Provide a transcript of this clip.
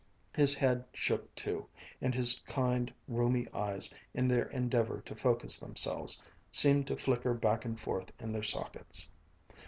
His head shook too, and his kind, rheumy eyes, in their endeavor to focus themselves, seemed to flicker back and forth in their sockets.